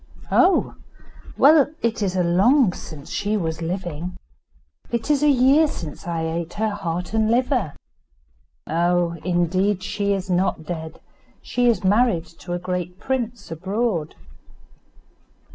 "Oh! well, it is long since she was living. It is a year since I ate her heart and liver." "Oh! indeed she is not dead. She is married to a great prince abroad."